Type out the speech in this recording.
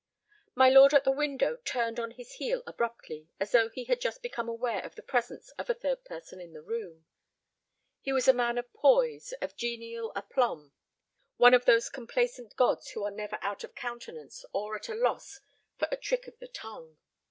My lord at the window turned on his heel abruptly, as though he had just become aware of the presence of a third person in the room. He was a man of poise, of genial aplomb, one of those complacent gods who are never out of countenance or at loss for a trick of the tongue.